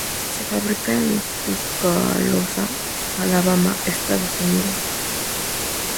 Se fabrica en Tuscaloosa, Alabama, Estados Unidos.